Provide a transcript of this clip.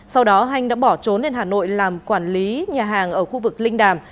sau đó hanh đã bỏ trốn lên hà nội làm quản lý nhà hàng ở khu vực linh đàm